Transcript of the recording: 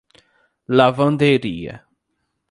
Lavandeira